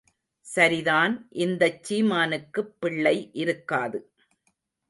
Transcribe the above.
சரிதான் இந்தச் சீமானுக்குப் பிள்ளை இருக்காது.